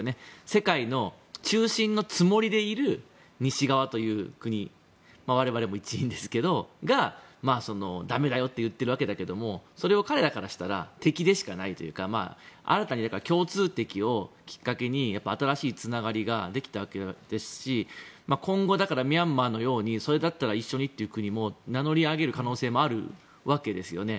世界の中心のつもりでいる西側という国我々も一員ですけどそれが、だめだよと言っているわけだけれどもそれは彼らからしたら敵でしかないというか新たな共通敵をきっかけに、新しいつながりができたわけですし今後ミャンマーのようにそれだったら一緒にという国も名乗り上げる可能性もあるわけですよね。